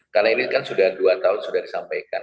karena ini kan sudah dua tahun sudah disampaikan